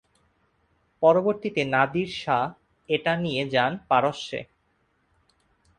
পরবর্তীতে Nadir Shah এটা নিয়ে যান পারস্যে।